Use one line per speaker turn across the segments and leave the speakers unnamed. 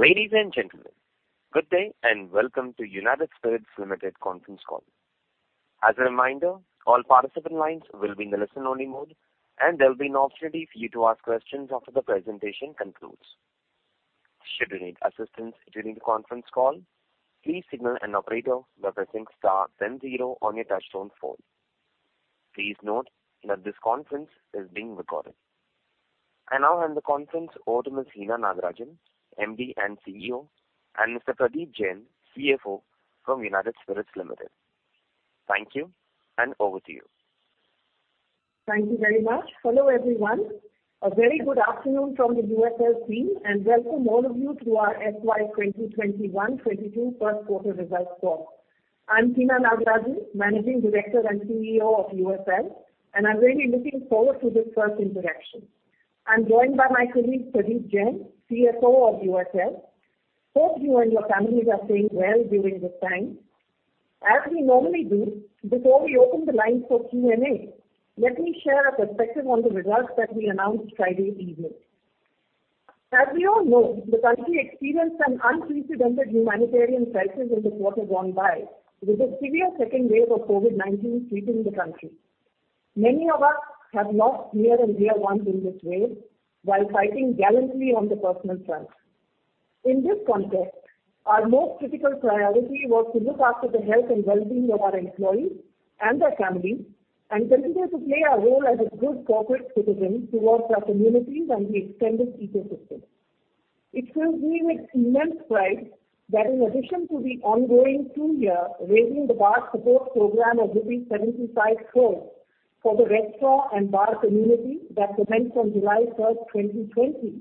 Ladies and gentlemen, good day and welcome to United Spirits Limited conference call. As a reminder, all participant lines will be in the listen only mode, and there will be an opportunity for you to ask questions after the presentation concludes. Should you need assistance during the conference call, please signal an operator by pressing star then zero on your touchtone phone. Please note that this conference is being recorded. I now hand the conference over to Ms. Hina Nagarajan, MD and CEO, and Mr. Pradeep Jain, CFO from United Spirits Limited. Thank you, and over to you.
Thank you very much. Hello, everyone. A very good afternoon from the USL team, and welcome all of you to our FY 2021-2022 first quarter results call. I'm Hina Nagarajan, Managing Director and CEO of USL, and I'm very looking forward to this first interaction. I'm joined by my colleague, Pradeep Jain, CFO of USL. Hope you and your families are staying well during this time. As we normally do, before we open the lines for Q&A, let me share a perspective on the results that we announced Friday evening. As we all know, the country experienced an unprecedented humanitarian crisis in the quarter gone by, with a severe second wave of COVID-19 sweeping the country. Many of us have lost near and dear ones in this wave while fighting gallantly on the personal front. In this context, our most critical priority was to look after the health and well-being of our employees and their families and continue to play our role as a good corporate citizen towards our communities and the extended ecosystem. It fills me with immense pride that in addition to the ongoing two-year Raising the Bar support program of rupees 75 crores for the restaurant and bar community that commenced on July 1st, 2020,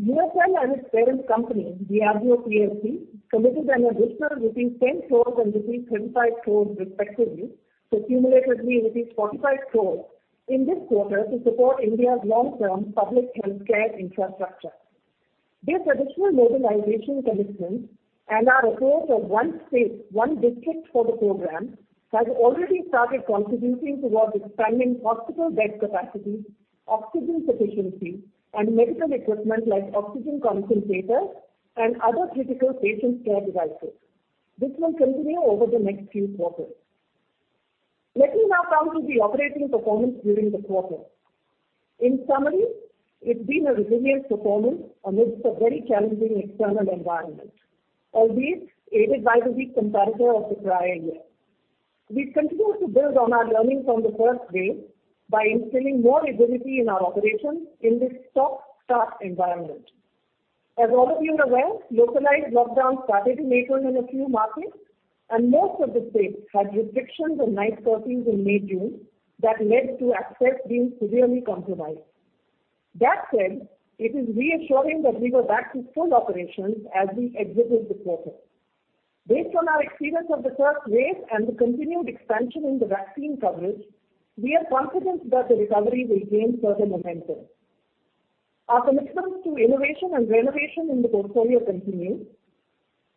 USL and its parent company, Diageo plc, committed an additional rupees 10 crores and rupees 25 crores respectively, so cumulatively rupees 45 crores in this quarter to support India's long-term public healthcare infrastructure. This additional mobilization commitment and our approach of one state, one district for the program has already started contributing towards expanding hospital bed capacity, oxygen sufficiency, and medical equipment like oxygen concentrators and other critical patient care devices. This will continue over the next few quarters. Let me now come to the operating performance during the quarter. In summary, it's been a resilient performance amidst a very challenging external environment. Albeit, aided by the weak comparator of the prior year. We continue to build on our learnings from the first wave by instilling more agility in our operations in this stop-start environment. As all of you are aware, localized lockdowns started in April in a few markets, and most of the states had restrictions on night curfews in mid-June that led to access being severely compromised. That said, it is reassuring that we were back to full operations as we exited the quarter. Based on our experience of the first wave and the continued expansion in the vaccine coverage, we are confident that the recovery will gain further momentum. Our commitment to innovation and renovation in the portfolio continues.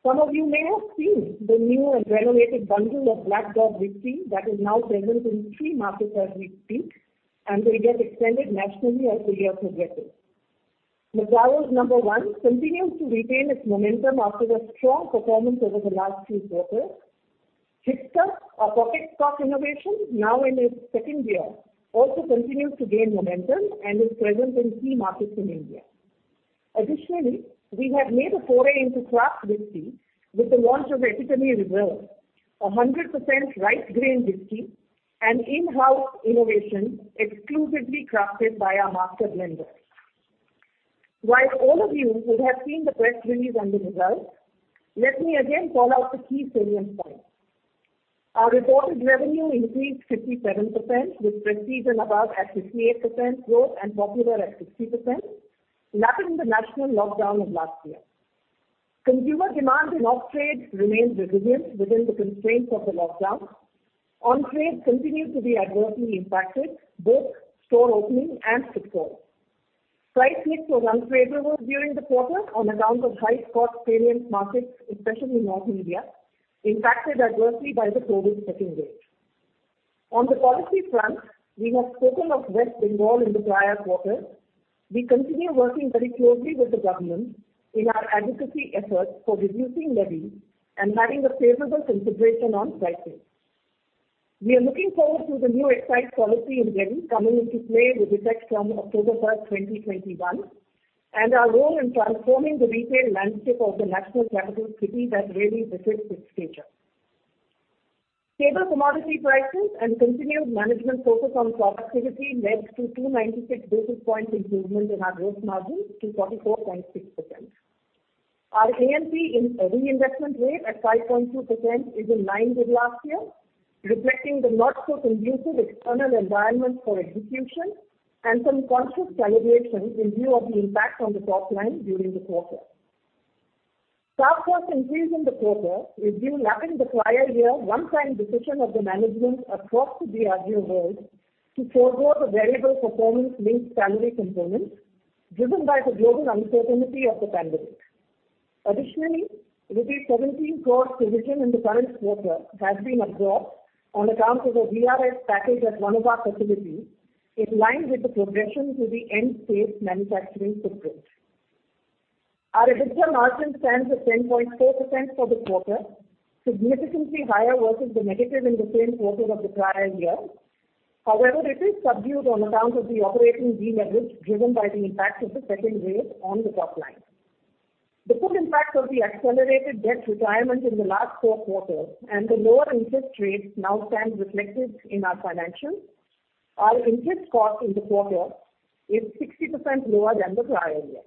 Some of you may have seen the new and renovated bundle of Black Dog Whisky that is now present in three markets as we speak, and will get extended nationally as the year progresses. McDowell's No. 1 continues to retain its momentum after a strong performance over the last few quarters. Hipster, our pocket scotch innovation, now in its second year, also continues to gain momentum and is present in key markets in India. Additionally, we have made a foray into craft whisky with the launch of Epitome Reserve, 100% rye grain whisky, an in-house innovation exclusively crafted by our master blender. While all of you would have seen the press release and the results, let me again call out the key salient points. Our reported revenue increased 57%, with Prestige and Above at 58% growth and Popular at 50%, lacking the national lockdown of last year. Consumer demand in off-trade remained resilient within the constraints of the lockdown. On-trade continued to be adversely impacted, both store opening and footfall. Price mix was unfavorable during the quarter on account of high scotch variance markets, especially North India, impacted adversely by the COVID second wave. On the policy front, we have spoken of West Bengal in the prior quarter. We continue working very closely with the government in our advocacy efforts for reducing levies and having a favorable consideration on pricing. We are looking forward to the new excise policy in Delhi coming into play with effect from October 1st, 2021, and our role in transforming the retail landscape of the national capital city that really befits its stature. Favorable commodity prices and continued management focus on productivity led to 296 basis points improvement in our gross margin to 44.6%. Our A&P reinvestment rate at 5.2% is in line with last year, reflecting the not so conducive external environment for execution and some conscious calibration in view of the impact on the top line during the quarter. Staff costs increased in the quarter, reflecting the prior year one-time decision of the management across the Diageo world to forgo the variable performance-linked salary components given by the global uncertainty of the pandemic. Additionally, rupees 17 crores provision in the current quarter has been absorbed on account of a VRS package at one of our facilities, in line with the progression to the end state manufacturing footprint. Our EBITDA margin stands at 10.4% for the quarter, significantly higher versus the negative in the same quarter of the prior year. It is subdued on account of the operating deleverage driven by the impact of the second wave on the top line. The full impact of the accelerated debt retirement in the last four quarters and the lower interest rates now stands reflected in our financials. Our interest cost in the quarter is 60% lower than the prior year.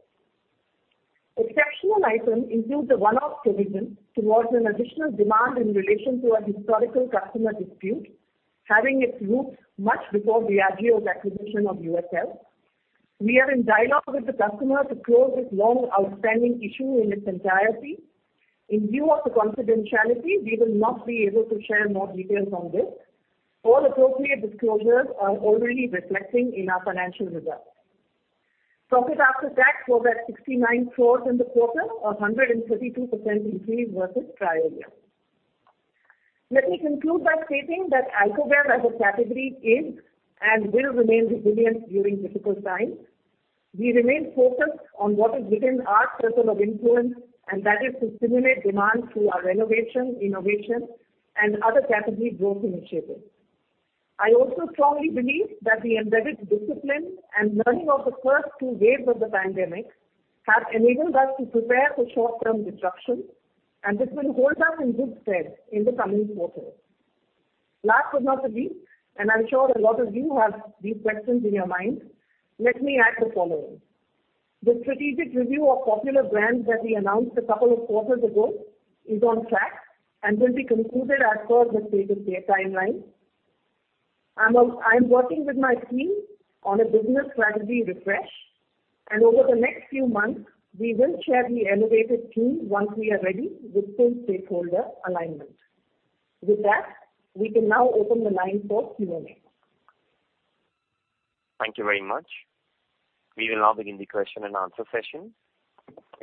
Exceptional item includes a one-off provision towards an additional demand in relation to a historical customer dispute, having its roots much before Diageo's acquisition of USL. We are in dialogue with the customer to close this long outstanding issue in its entirety. In view of the confidentiality, we will not be able to share more details on this. All appropriate disclosures are already reflecting in our financial results. Profit after tax was at 69 crores in the quarter, 132% increase versus prior year. Let me conclude by stating that alcohol as a category is, and will remain resilient during difficult times. We remain focused on what is within our circle of influence, and that is to stimulate demand through our renovation, innovation and other category growth initiatives. I also strongly believe that the embedded discipline and learning of the first two waves of the pandemic have enabled us to prepare for short-term disruptions, and this will hold us in good stead in the coming quarters. Last but not the least, and I'm sure a lot of you have these questions in your mind, let me add the following. The strategic review of Popular brands that we announced a couple of quarters ago is on track and will be concluded as per the stated year timeline. I'm working with my team on a business strategy refresh, and over the next few months, we will share the elevated theme once we are ready with full stakeholder alignment. With that, we can now open the line for Q&A.
Thank you very much. We will now begin the question-and-answer session.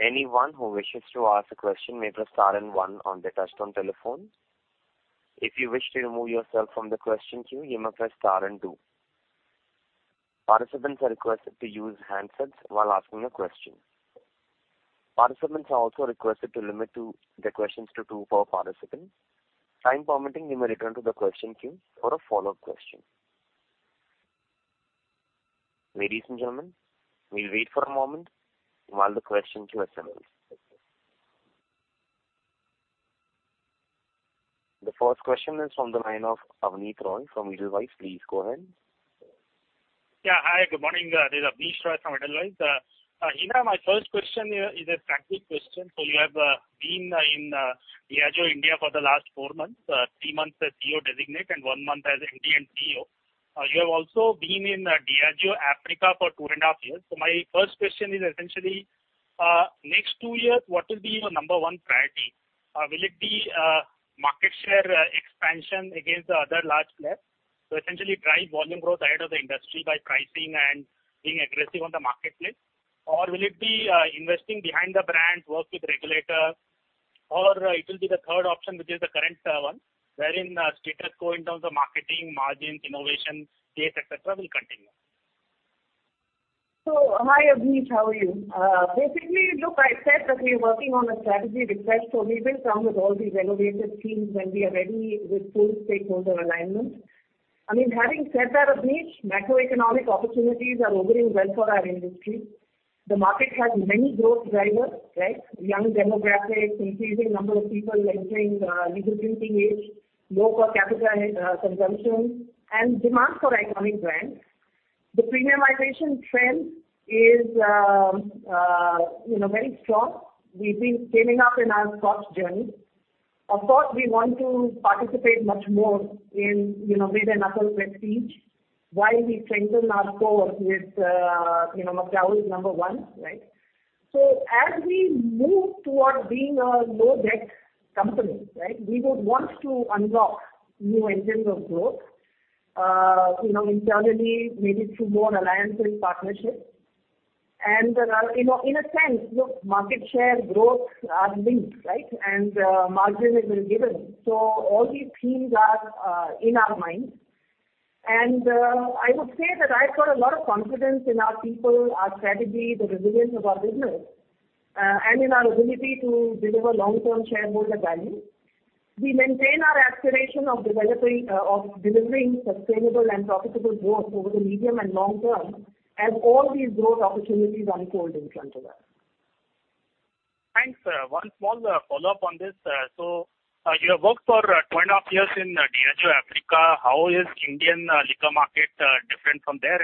Anyone who wishes to ask a question may press star and one on their touchtone telephone. If you wish to remove yourself from the question queue, you may press star and two. Participants are requested to use handsets while asking a question. Participants are also requested to limit their questions to two per participant. Time permitting, you may return to the question queue for a follow-up question. Ladies and gentlemen, we will wait for a moment while the question queue assembles. The first question is from the line of Abneesh Roy from Edelweiss. Please go ahead.
Yeah. Hi, good morning. This is Abneesh Roy from Edelweiss. Hina, my first question here is a practical question. You have been in Diageo India for the last four months, three months as CEO designate, and one month as Indian CEO. You have also been in Diageo Africa for two and a half years. My first question is essentially, next two years, what will be your number one priority? Will it be market share expansion against the other large players? Essentially drive volume growth ahead of the industry by pricing and being aggressive on the marketplace. Will it be investing behind the brand, work with regulators, or it will be the third option, which is the current one, wherein status quo in terms of marketing, margins, innovation, sales, et cetera, will continue.
Hi, Abneesh, how are you? I said that we are working on a strategy refresh, we will come with all the renovated themes when we are ready with full stakeholder alignment. Having said that, Abneesh, macroeconomic opportunities are opening well for our industry. The market has many growth drivers. Young demographics, increasing number of people entering legal drinking age, low per capita consumption, and demand for iconic brands. The premiumization trend is very strong. We've been scaling up in our Scotch journey. Of course, we want to participate much more in mid and upper Prestige while we strengthen our core with McDowell's No. 1. As we move towards being a low-debt company, we would want to unlock new engines of growth, internally, maybe through more alliances, partnerships. In a sense, market share growth are linked, right? Margin is a given. All these themes are in our minds. I would say that I've got a lot of confidence in our people, our strategy, the resilience of our business, and in our ability to deliver long-term shareholder value. We maintain our aspiration of delivering sustainable and profitable growth over the medium and long term as all these growth opportunities unfold in front of us.
Thanks. One small follow-up on this. You have worked for two and a half years in Diageo Africa. How is Indian liquor market different from there?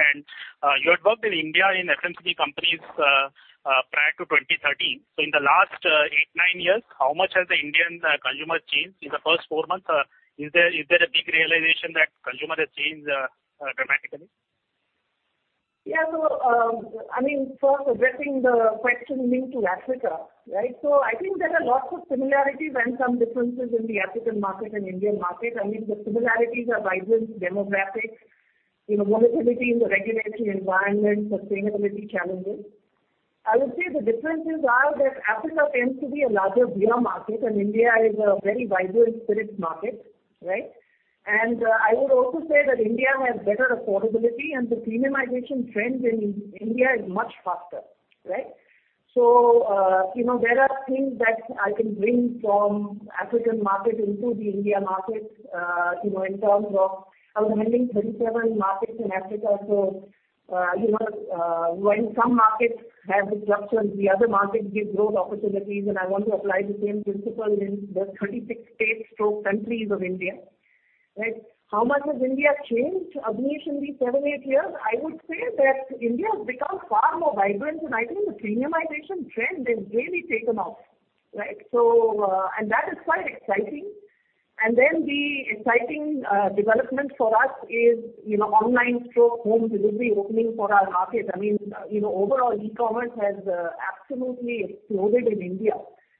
You had worked in India in FMCG companies prior to 2013. In the last eight, nine years, how much has the Indian consumer changed? In the first four months, is there a big realization that consumer has changed dramatically?
Yeah. First addressing the question linked to Africa. I think there are lots of similarities and some differences in the African market and Indian market. I mean, the similarities are vibrant demographics, volatility in the regulatory environment, sustainability challenges. I would say the differences are that Africa tends to be a larger beer market, and India is a very vibrant spirits market. Right? I would also say that India has better affordability and the premiumization trend in India is much faster. Right? There are things that I can bring from African market into the India market in terms of I was handling 37 markets in Africa, when some markets have disruptions, the other markets give growth opportunities, and I want to apply the same principles in the 36 states/countries of India. Right? How much has India changed, Abneesh, in these seven, eight years? I would say that India has become far more vibrant, and I think the premiumization trend has really taken off. Right? That is quite exciting. The exciting development for us is online/home delivery opening for our market. Overall, e-commerce has absolutely exploded in India.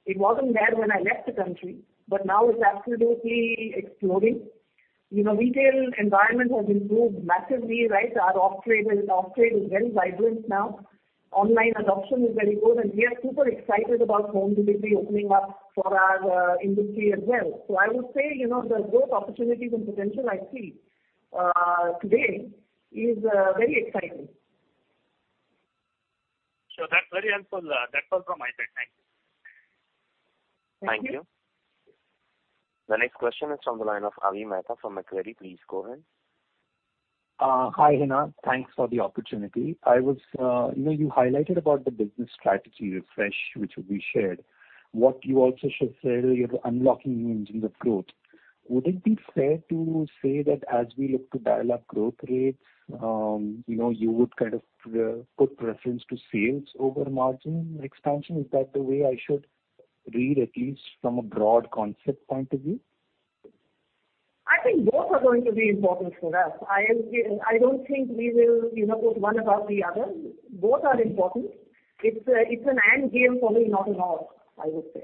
It wasn't there when I left the country, but now it's absolutely exploding. Retail environment has improved massively, right? Our off-trade is very vibrant now. Online adoption is very good, and we are super excited about home delivery opening up for our industry as well. I would say, the growth opportunities and potential I see today is very exciting.
Sure. That's very helpful. That's all from my side. Thank you.
Thank you.
Thank you. The next question is from the line of Avi Mehta from Macquarie. Please go ahead.
Hi, Hina. Thanks for the opportunity. You highlighted about the business strategy refresh, which we shared. What you also shared earlier, the unlocking new engines of growth, would it be fair to say that as we look to dial up growth rates, you would kind of put preference to sales over margin expansion? Is that the way I should read, at least from a broad concept point of view?
I think both are going to be important for us. I don't think we will put one above the other. Both are important. It's an and-game for me, not an or, I would say.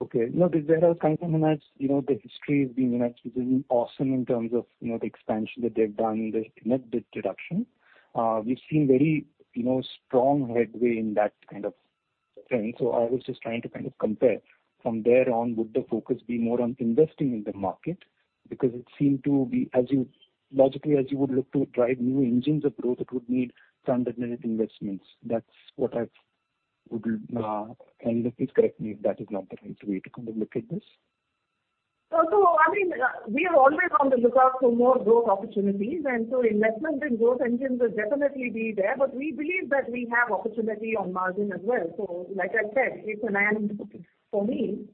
Okay. Because there are signs, Hina, the history is being awesome in terms of the expansion that they've done, the net debt reduction. We've seen very strong headway in that kind of trend. I was just trying to kind of compare. From there on, would the focus be more on investing in the market? Because it seemed to be, logically, as you would look to drive new engines of growth, it would need some definite investments. Please correct me if that is not the right way to kind of look at this.
We are always on the lookout for more growth opportunities, and so investments in growth engines will definitely be there, but we believe that we have opportunity on margin as well. Like I said, it's an and for me,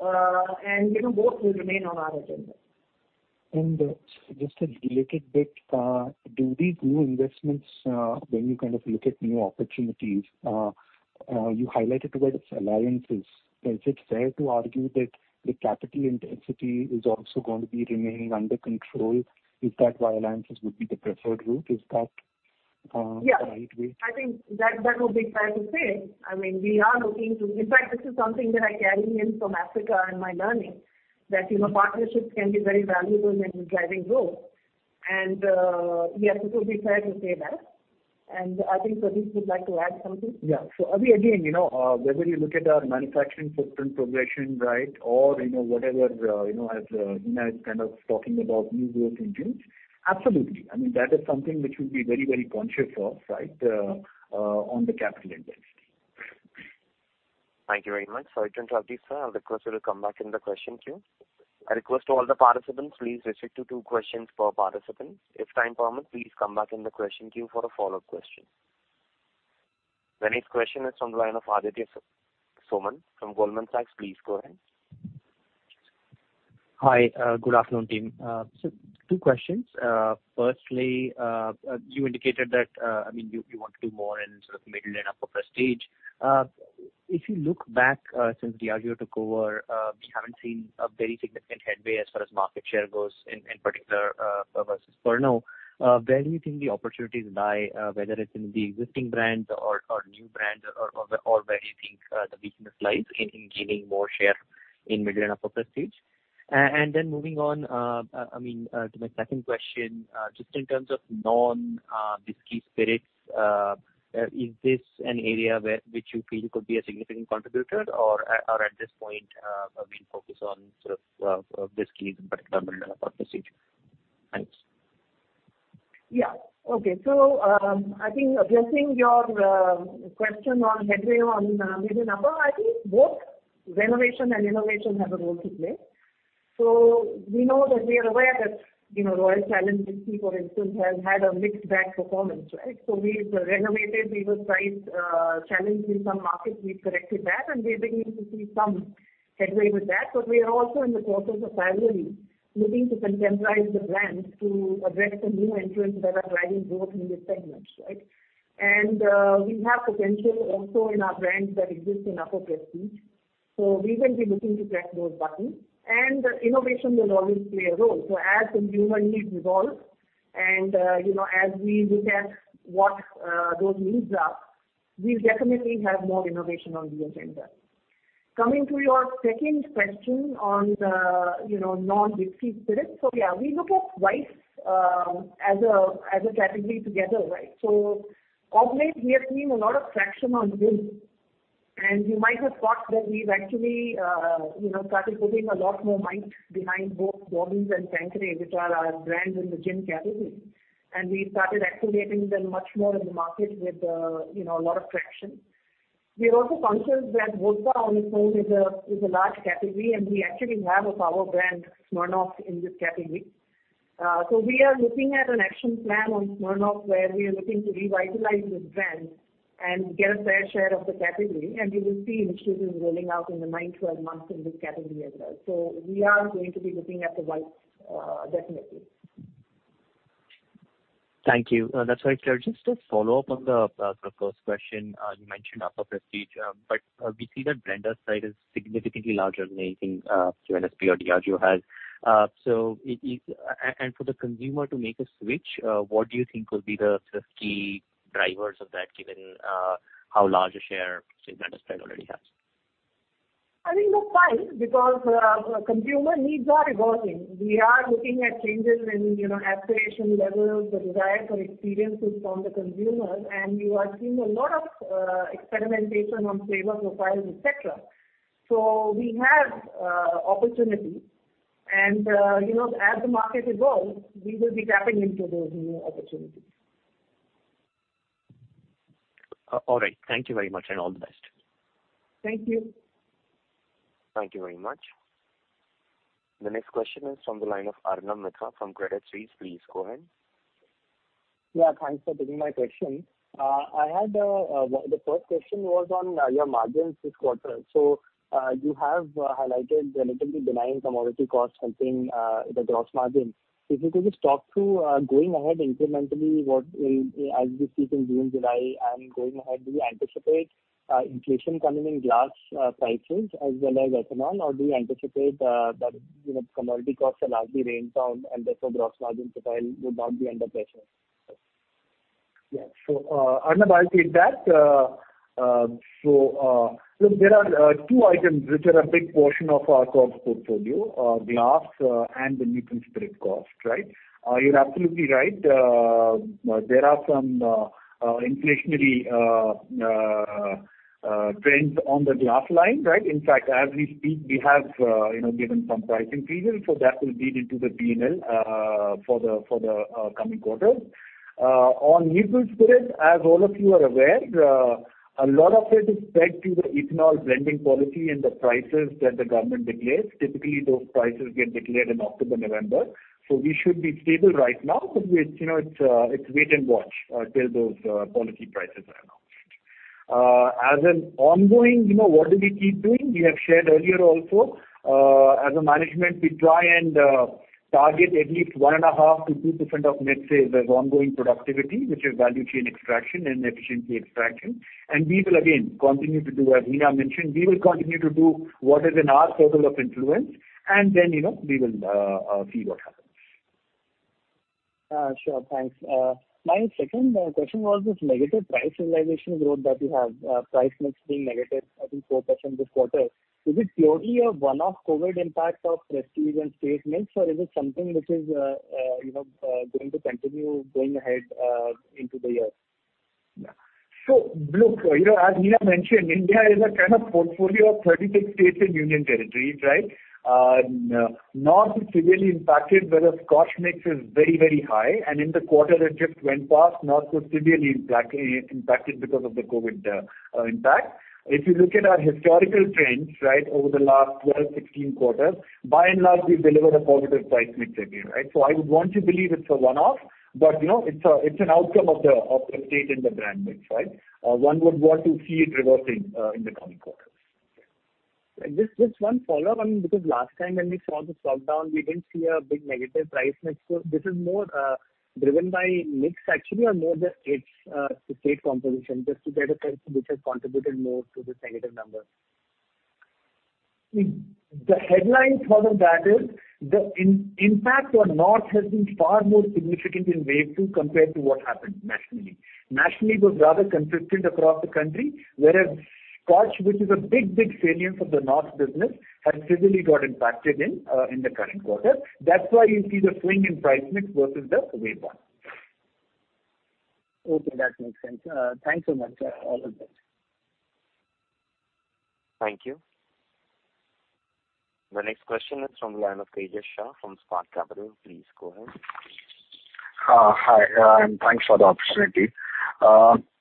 and both will remain on our agenda.
Just a related bit. Do these new investments, when you kind of look at new opportunities, you highlighted about alliances. Is it fair to argue that the capital intensity is also going to be remaining under control? Is that why alliances would be the preferred route? Is that?
Yeah
the right way?
I think that would be fair to say. In fact, this is something that I carry in from Africa and my learning, that partnerships can be very valuable in driving growth. Yeah, I think it would be fair to say that. I think Pradeep would like to add something.
Yeah. Avi, again, whether you look at our manufacturing footprint progression, right? Whatever, as Hina is kind of talking about new growth engines. Absolutely. That is something which we'll be very conscious of, right? On the capital intensity.
Thank you very much. Sorry to interrupt you, sir. I will request you to come back in the question queue. I request all the participants, please restrict to two questions per participant. If time permits, please come back in the question queue for a follow-up question. The next question is from the line of Aditya Soman from Goldman Sachs. Please go ahead.
Hi. Good afternoon, team. Two questions. Firstly, you indicated that you want to do more in sort of middle and upper prestige. If you look back since Diageo took over, we haven't seen a very significant headway as far as market share goes, in particular versus Pernod. Where do you think the opportunities lie, whether it's in the existing brands or new brands, or where do you think the business lies in gaining more share in middle and upper prestige? Moving on to my second question, just in terms of non-whiskey spirits, is this an area which you feel could be a significant contributor, or at this point, are we focused on sort of whiskey in particular, middle and upper prestige? Thanks.
Yeah. Okay. I think addressing your question on headway on middle and upper, I think both renovation and innovation have a role to play. We know that, we are aware that Royal Challenge Whisky, for instance, has had a mixed bag performance, right? We've renovated. We were priced challenged in some markets, we've corrected that, and we are beginning to see some headway with that. We are also in the process of thoroughly looking to contemporize the brands to address the new entrants that are driving growth in these segments, right? We have potential also in our brands that exist in upper prestige. We will be looking to press those buttons, and innovation will always play a role. As consumer needs evolve and as we look at what those needs are, we'll definitely have more innovation on the agenda. Coming to your second question on the non-whiskey spirits. Yeah, we look at whites as a category together. Cognac, we have seen a lot of traction on gin, and you might have caught that we've actually started putting a lot more might behind both Boddingtons and Fentimans, which are our brands in the gin category, and we started activating them much more in the market with a lot of traction. We are also conscious that vodka on its own is a large category, and we actually have a power brand, Smirnoff, in this category. We are looking at an action plan on Smirnoff, where we are looking to revitalize this brand and get a fair share of the category, and you will see initiatives rolling out in the 9 months-12 months in this category as well. We are going to be looking at the whites, definitely.
Thank you. That's very clear. Just a follow-up on the first question. You mentioned upper Prestige, but we see that Blenders Pride is significantly larger than anything UNSP or Diageo has. For the consumer to make a switch, what do you think will be the key drivers of that, given how large a share Blenders Pride already has?
I think that's fine, because consumer needs are evolving. We are looking at changes in aspiration levels, the desire for experiences from the consumers, and we are seeing a lot of experimentation on flavor profiles, et cetera. We have opportunities and, as the market evolves, we will be tapping into those new opportunities.
All right. Thank you very much, and all the best.
Thank you.
Thank you very much. The next question is from the line of Arnab Mitra from Credit Suisse. Please go ahead.
Yeah, thanks for taking my question. The first question was on your margins this quarter. You have highlighted relatively benign commodity costs helping the gross margin. If you could just talk to, going ahead incrementally, as we speak, in June, July, and going ahead, do you anticipate inflation coming in glass prices as well as ethanol? Or do you anticipate that commodity costs are largely reigned down, and therefore gross margin profile would not be under pressure?
Yeah. Arnab, I'll take that. Look, there are two items which are a big portion of our cost portfolio, glass and the neutral spirit cost. You're absolutely right, there are some inflationary trends on the glass line. In fact, as we speak, we have given some price increases, so that will feed into the P&L for the coming quarters. On neutral spirits, as all of you are aware, a lot of it is pegged to the Ethanol Blending Policy and the prices that the government declares. Typically, those prices get declared in October, November. We should be stable right now, but it's wait and watch till those policy prices are announced. As an ongoing, what do we keep doing? We have shared earlier also. As a management, we try and target at least 1.5%-2% of net sales as ongoing productivity, which is value chain extraction and efficiency extraction, and we will again continue to do, as Hina mentioned, we will continue to do what is in our circle of influence, and then we will see what happens.
Sure. Thanks. My second question was this negative price realization growth that you have, price mix being negative, I think 4% this quarter. Is it purely a one-off COVID impact of prestige and state mix, or is it something which is going to continue going ahead into the year?
Look, as Hina mentioned, India is a kind of portfolio of 36 states and union territories. North is severely impacted, whereas Scotch mix is very high, and in the quarter that just went past, North was severely impacted because of the COVID-19 impact. If you look at our historical trends over the last 12, 16 quarters, by and large, we've delivered a positive price mix every year. I would want to believe it's a one-off, but it's an outcome of the state and the brand mix. One would want to see it reversing in the coming quarters.
Just one follow on, because last time when we saw the lockdown, we didn't see a big negative price mix. This is more driven by mix actually or more the state composition? Just to get a sense of which has contributed more to this negative number.
The headline for the quarter, the impact on North has been far more significant in wave two compared to what happened nationally. Nationally, it was rather consistent across the country, whereas Scotch, which is a big salient of the North business, has severely got impacted in the current quarter. That's why you see the swing in price mix versus the wave one.
Okay. That makes sense. Thanks so much. All the best.
Thank you. The next question is from the line of Tejas Shah from Spark Capital. Please go ahead.
Hi, thanks for the opportunity.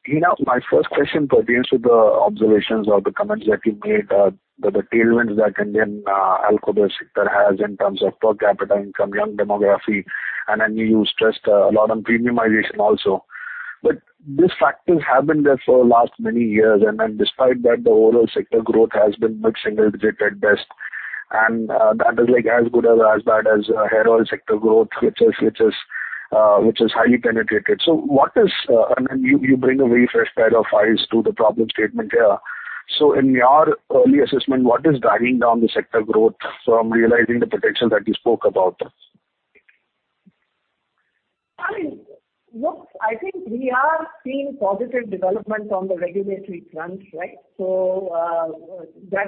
Hina, my first question pertains to the observations or the comments that you made that the tailwinds that Indian alcohol sector has in terms of per capita income, young demography, and then you stressed a lot on premiumization also. These factors have been there for last many years, and then despite that, the overall sector growth has been mid-single digit at best, and that is as good or as bad as hair oil sector growth, which is highly penetrated. You bring a very fresh pair of eyes to the problem statement here. In your early assessment, what is dragging down the sector growth from realizing the potential that you spoke about?
I think we are seeing positive developments on the regulatory front. That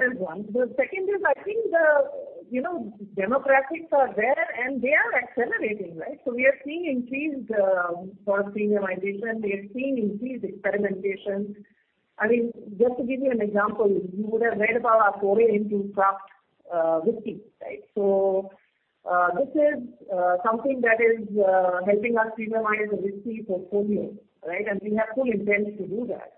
is one. The second is, I think the demographics are there and they are accelerating. We are seeing increased for premiumization. We are seeing increased experimentations. Just to give you an example, you would have read about our foray into craft whisky. This is something that is helping us premiumize the whisky portfolio. We have full intent to do that.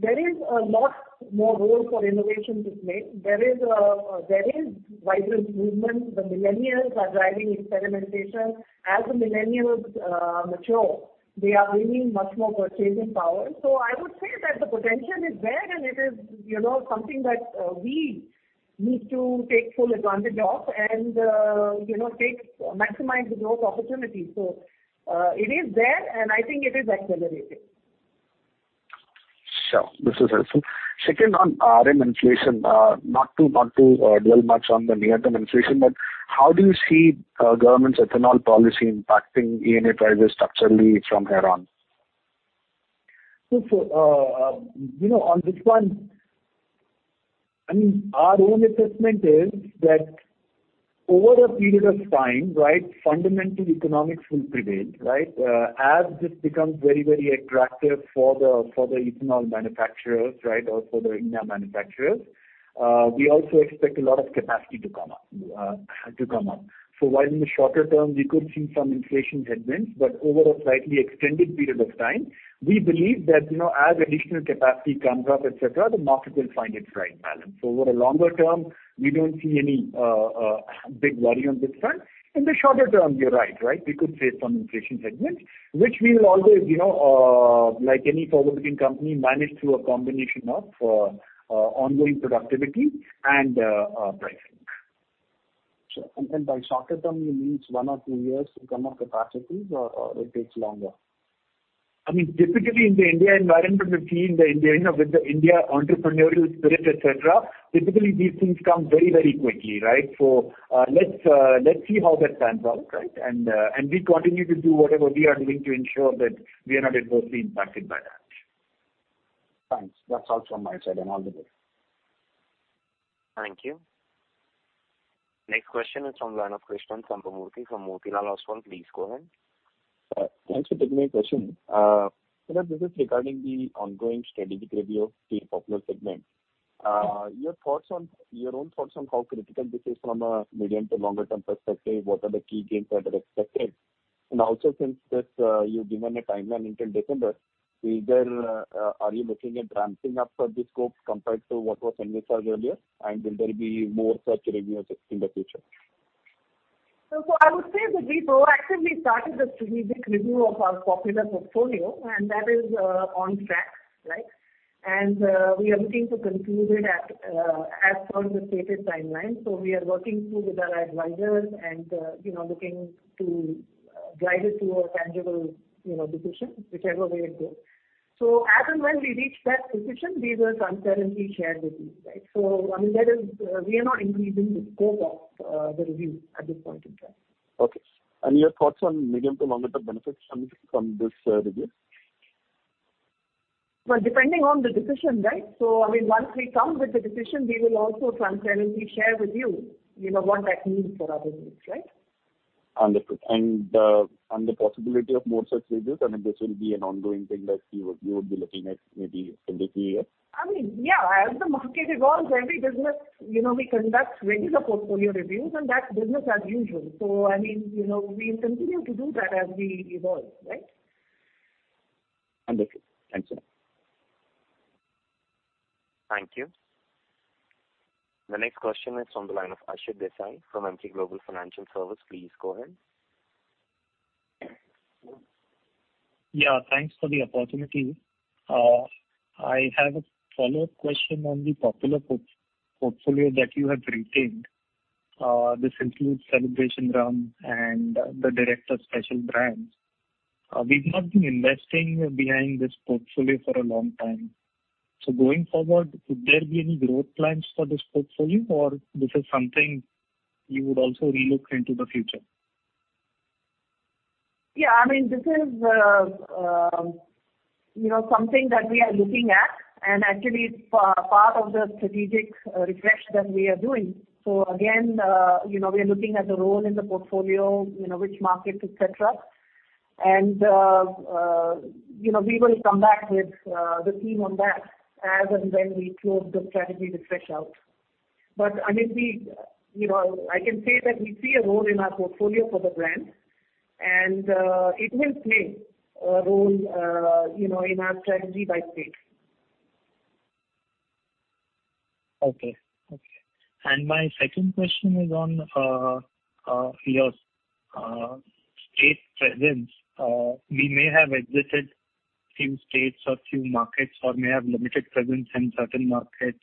There is a lot more role for innovation to play. There is vibrant movement. The millennials are driving experimentation. As the millennials mature, they are bringing much more purchasing power. I would say that the potential is there and it is something that we need to take full advantage of and maximize the growth opportunity. It is there, and I think it is accelerating.
Sure. This is helpful. Second, on RM inflation. Not to dwell much on the near-term inflation, how do you see government's ethanol policy impacting ENA prices structurally from here on?
On this one, our own assessment is that over a period of time, fundamental economics will prevail. As this becomes very attractive for the ethanol manufacturers or for the India manufacturers, we also expect a lot of capacity to come up. While in the shorter term, we could see some inflation headwinds, but over a slightly extended period of time, we believe that as additional capacity comes up, et cetera, the market will find its right balance. Over a longer term, we don't see any big worry on this front. In the shorter term, you're right. We could face some inflation headwinds, which we will always, like any forward-looking company, manage through a combination of ongoing productivity and pricing.
Sure. By shorter term, you mean it's one or two years to come up capacities or it takes longer?
Typically in the India environment, with the India entrepreneurial spirit, et cetera, typically these things come very quickly. Let's see how that pans out. We continue to do whatever we are doing to ensure that we are not adversely impacted by that.
Thanks. That's all from my side and all the best.
Thank you. Next question is from the line of Krishnan Sambamoorthy from Motilal Oswal. Please go ahead.
Thanks for taking my question. This is regarding the ongoing strategic review of the Popular segment. Your own thoughts on how critical this is from a medium to longer term perspective, what are the key gains that are expected? Also since you've given a timeline until December, are you looking at ramping up the scope compared to what was envisaged earlier, and will there be more such reviews in the future?
I would say that we proactively started the strategic review of our Popular portfolio, and that is on track. We are looking to conclude it as per the stated timeline. We are working through with our advisors and looking to drive it to a tangible decision, whichever way it goes. As and when we reach that decision, these are transparently shared with you. We are not increasing the scope of the review at this point in time.
Okay. Your thoughts on medium to longer term benefits coming from this review?
Well, depending on the decision. Once we come with the decision, we will also transparently share with you what that means for our business.
Understood. The possibility of more such reviews, this will be an ongoing thing that you would be looking at maybe in the three years?
Yeah. As the market evolves, every business, we conduct regular portfolio reviews, and that's business as usual. We'll continue to do that as we evolve.
Understood. Thanks a lot.
Thank you. The next question is from the line of Ashit Desai from Emkay Global Financial Services. Please go ahead.
Yeah, thanks for the opportunity. I have a follow-up question on the Popular portfolio that you have retained. This includes Celebration Rum and the Director's Special brands. We've not been investing behind this portfolio for a long time. Going forward, could there be any growth plans for this portfolio, or this is something you would also re-look into the future?
This is something that we are looking at, actually it's part of the strategic refresh that we are doing. Again, we are looking at the role in the portfolio, which markets, et cetera. We will come back with the team on that as and when we close the strategy refresh out. I can say that we see a role in our portfolio for the brand, and it will play a role in our strategy by stage.
Okay. My second question is on your state presence. We may have exited few states or few markets or may have limited presence in certain markets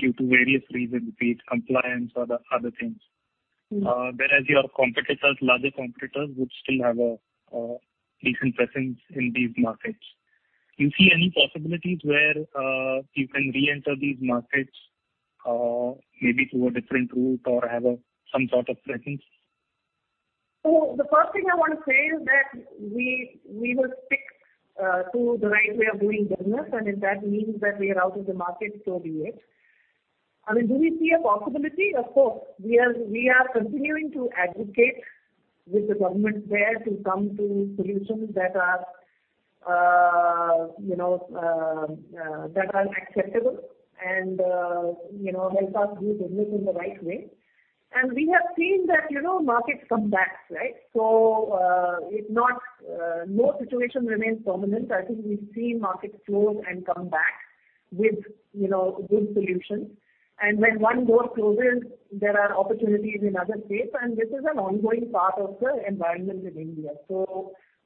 due to various reasons, be it compliance or the other things. Whereas your larger competitors would still have a decent presence in these markets. Do you see any possibilities where you can reenter these markets, maybe through a different route or have some sort of presence?
The first thing I want to say is that we will stick to the right way of doing business, and if that means that we are out of the market, so be it. I mean, do we see a possibility? Of course. We are continuing to advocate with the government there to come to solutions that are acceptable and help us do business in the right way. We have seen that markets come back. No situation remains permanent. I think we've seen markets close and come back with good solutions. When one door closes, there are opportunities in other states, and this is an ongoing part of the environment in India.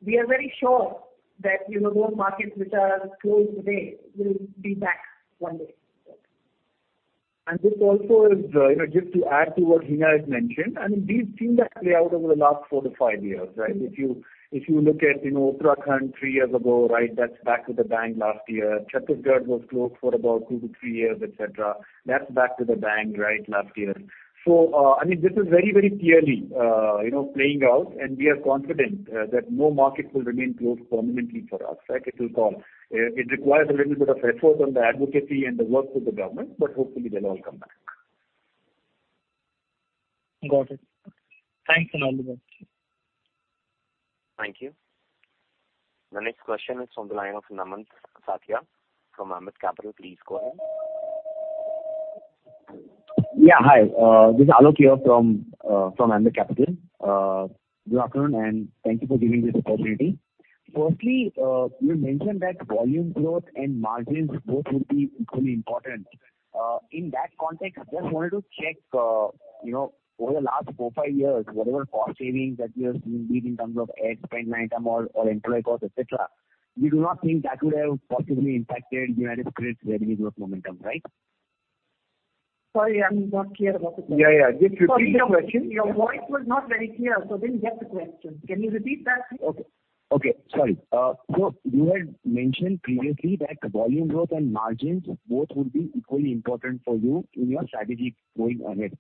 We are very sure that those markets which are closed today will be back one day.
This also is, just to add to what Hina has mentioned, I mean, we've seen that play out over the last four to five years, right? If you look at Uttarakhand three years ago, that's back with a bang last year. Chhattisgarh was closed for about two to three years, et cetera. That's back with a bang last year. This is very clearly playing out, and we are confident that no market will remain closed permanently for us. It requires a little bit of effort on the advocacy and the work with the government, but hopefully they'll all come back.
Got it. Thanks an abundance.
Thank you. The next question is on the line of Namant Satiya from Ambit Capital. Please go ahead.
Yeah, hi. This is Alok here from Ambit Capital. Good afternoon, thank you for giving me this opportunity. Firstly, you mentioned that volume growth and margins both would be equally important. In that context, I just wanted to check, over the last four or five years, whatever cost savings that you have seen, be it in terms of ad spend, item or employee cost, et cetera, you do not think that would have positively impacted United Spirits' revenue growth momentum, right?
Sorry, I'm not clear about the question.
Yeah. Just repeating the question.
Your voice was not very clear, so I didn't get the question. Can you repeat that, please?
Okay. Sorry. You had mentioned previously that volume growth and margins both would be equally important for you in your strategy going ahead.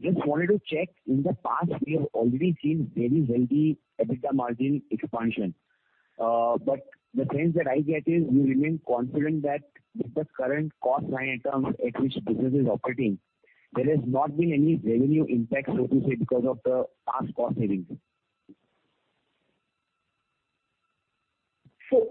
Just wanted to check, in the past, we have already seen very healthy EBITDA margin expansion. The sense that I get is you remain confident that with the current cost line items at which the business is operating, there has not been any revenue impact, so to say, because of the past cost savings.
Let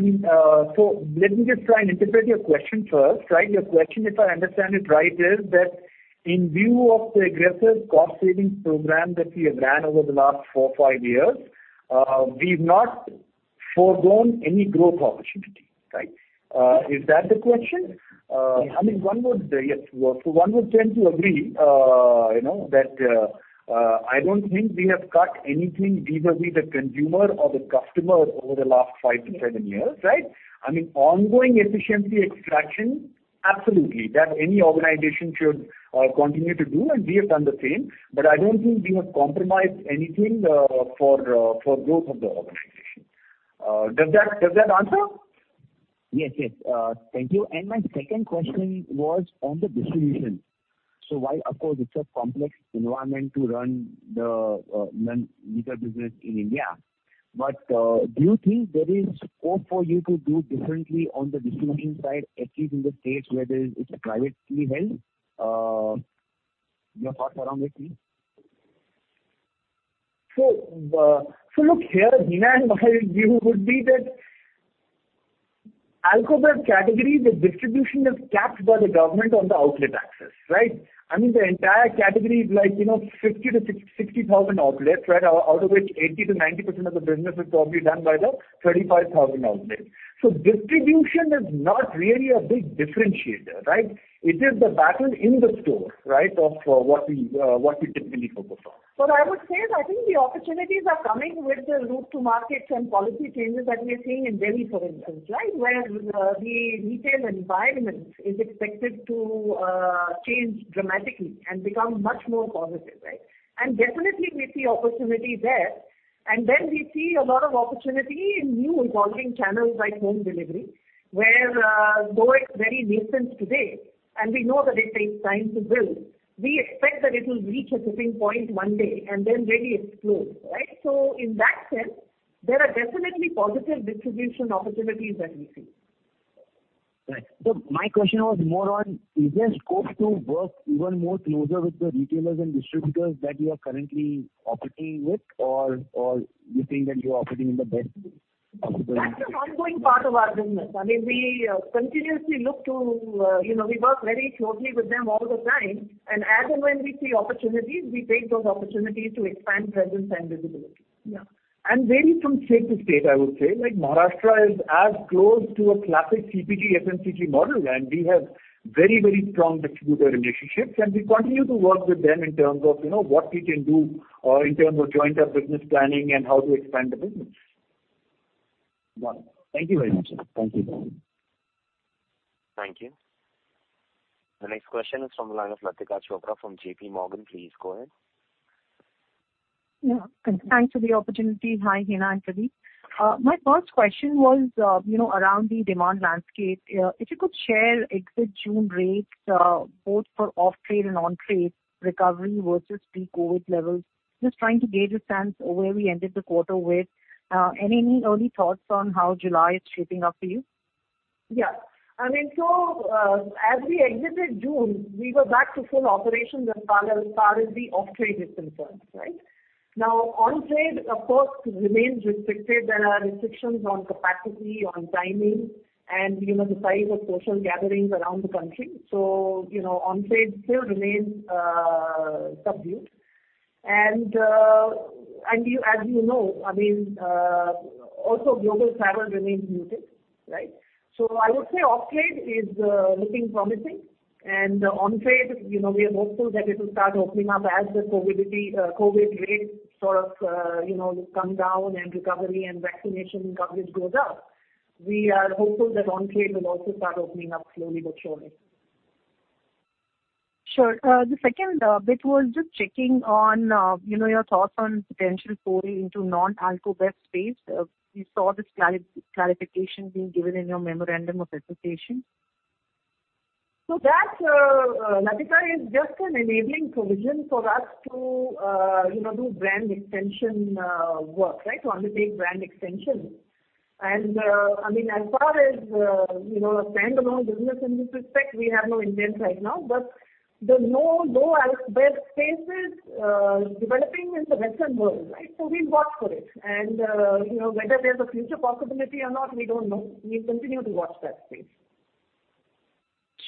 me just try and interpret your question first. Your question, if I understand it right, is that in view of the aggressive cost-savings program that we have ran over the last four, five years, we've not foregone any growth opportunity, right? Is that the question?
Yeah.
One would tend to agree that I don't think we have cut anything vis-a-vis the consumer or the customer over the last five to seven years. I mean, ongoing efficiency extraction, absolutely. That any organization should continue to do, and we have done the same. I don't think we have compromised anything for growth of the organization. Does that answer?
Yes. Thank you. My second question was on the distribution. While of course it's a complex environment to run the liquor business in India, but do you think there is scope for you to do differently on the distribution side, at least in the states where it's privately held? Your thoughts around this, please.
Look, Hina and my view would be that alcohol category, the distribution is capped by the government on the outlet access. I mean, the entire category is like 50,000-60,000 outlets, out of which 80%-90% of the business is probably done by the 35,000 outlets. Distribution is not really a big differentiator. It is the battle in the store of what we typically focus on.
What I would say is I think the opportunities are coming with the route to markets and policy changes that we are seeing in Delhi, for instance, where the retail environment is expected to change dramatically and become much more positive. Definitely we see opportunity there. We see a lot of opportunity in new evolving channels like home delivery, where though it's very nascent today, and we know that it takes time to build, we expect that it'll reach a tipping point one day and then really explode. In that sense, there are definitely positive distribution opportunities that we see.
Right. My question was more on, is there scope to work even more closer with the retailers and distributors that you are currently operating with, or you think that you're operating in the best way possible?
That's an ongoing part of our business. I mean, We work very closely with them all the time. As and when we see opportunities, we take those opportunities to expand presence and visibility.
Vary from state to state, I would say. Like Maharashtra is as close to a classic CPG/FMCG model, and we have very strong distributor relationships, and we continue to work with them in terms of what we can do or in terms of joint business planning and how to expand the business.
Wonderful. Thank you very much, sir.
Thank you.
Thank you. The next question is from the line of Latika Chopra from JPMorgan. Please go ahead.
Yeah. Thanks for the opportunity. Hi, Hina and Pradeep. My first question was around the demand landscape. If you could share exit June rates, both for off-trade and on-trade recovery versus pre-COVID levels. Just trying to gauge a sense where we ended the quarter with. Any early thoughts on how July is shaping up for you?
Yeah. As we exited June, we were back to full operations as far as the off-trade is concerned, right? Now, on-trade, of course, remains restricted. There are restrictions on capacity, on timing, and the size of social gatherings around the country. On-trade still remains subdued. As you know, also global travel remains muted, right? I would say off-trade is looking promising and on-trade, we are hopeful that it will start opening up as the COVID-19 rates sort of come down and recovery and vaccination coverage goes up. We are hopeful that on-trade will also start opening up slowly but surely.
Sure. The second bit was just checking on your thoughts on potential foray into non-alcobev space. We saw this clarification being given in your memorandum of association.
That, Latika, is just an enabling provision for us to do brand extension work, right? To undertake brand extension. As far as a standalone business in this respect, we have no intent right now, but the No-Low alcobev space is developing in the Western world, right? We watch for it. Whether there's a future possibility or not, we don't know. We continue to watch that space.